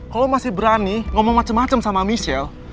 kalau masih berani ngomong macem macem sama michelle